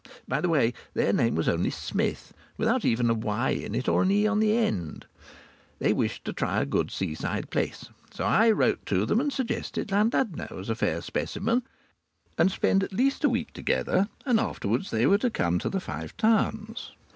By the way, their name was only "Smith," without even a "y" in it or an "e" at the end. They wished to try a good seaside place, so I wrote to them and suggested Llandudno as a fair specimen, and it was arranged that we should meet there and spend at least a week together, and afterwards they were to come to the Five Towns.